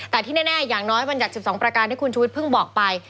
แต่ที่แน่อย่างน้อยบรรยัติ๑๒ประการที่คุณชุวิตเพิ่งบอกไป